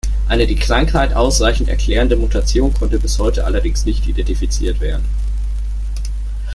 Eine die Krankheit ausreichend erklärende Mutation konnte bis heute allerdings nicht identifiziert werden.